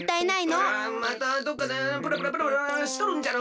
またどっかでプラプラプラプラしとるんじゃろ。